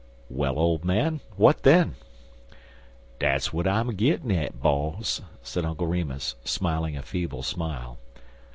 "Well, old man, what then?" "Dat's w'at I'm a gittin' at, boss," said Uncle Remus, smiling a feeble smile.